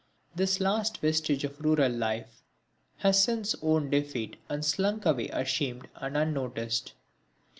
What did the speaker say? This last vestige of rural life has since owned defeat and slunk away ashamed and unnoticed.